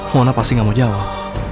mona pasti gak mau jawab